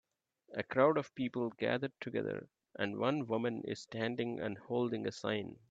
A crowd of people gathered together and one woman is standing and holding a sign.